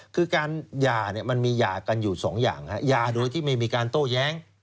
คือการยามันมียากันอยู่สองอย่างยาโดยที่ไม่มีการโต้แย้ง